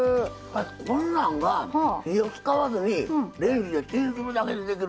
こんなんが火を使わずにレンジでチンするだけでできる。